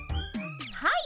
はい。